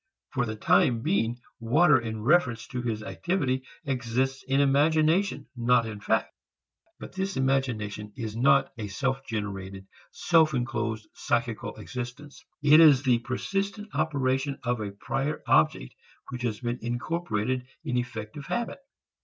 For the time being water in reference to his activity exists in imagination not in fact. But this imagination is not a self generated, self enclosed, psychical existence. It is the persistent operation of a prior object which has been incorporated in effective habit.